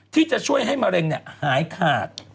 ที่จะช่วยให้มะเร็งหายขาด